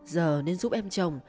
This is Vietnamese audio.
giờ nên giúp em chồng